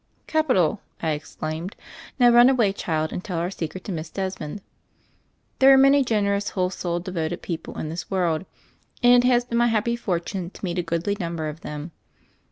"Capital!" I exclaimed. "Now run away, child, and tell our secret to Miss Desmond." There are many generous, whole souled, de voted people in this world, and it has been my happy fortune to meet a goodly number of> them.